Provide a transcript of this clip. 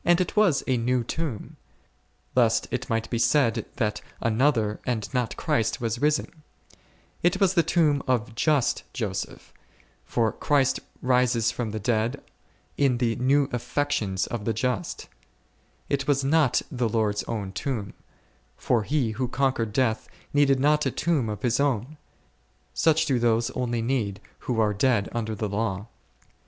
It was a new tomb, lest it might be said that another and not Christ was risen ; it was the tomb of just Joseph, for Christ rises from the dead in the new affections of the just ; it was not the Lord's own tomb, for He who conquered death needed not a tomb of His own ; such do those only need, who are dead under the law.